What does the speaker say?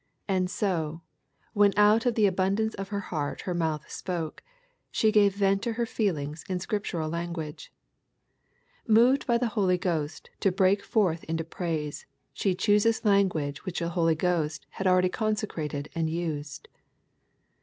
And so, when out of the abundance of her heart her mouth spoke, she gave vent to her feelings in Scriptural language Moved by the Holy Ghost to break forth into praise, she chooses language which the Holy Ghost had already consecrated and used.